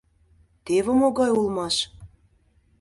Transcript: Теве могай улмаш!